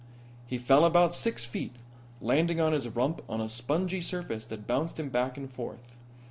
He fell about six feet, landing on his rump on a spongy surface that bounced him back and forth.